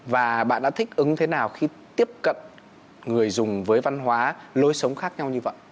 và bạn đã thích ứng thế nào khi tiếp cận người dùng với văn hóa lối sống khác nhau như vậy